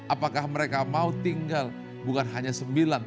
apakah mereka mau tinggal bukan hanya sembilan